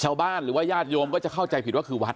ชาวบ้านหรือว่ายาดโยมก็จะเข้าใจผิดว่าคือวัด